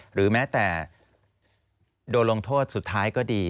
หรือแม้แต่โดนลงโทษสุดท้ายก็ดี